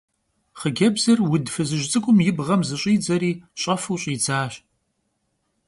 Xhıcebzır vud fızıj ts'ık'um yi bğem zış'idzeri ş'efu ş'idzaş.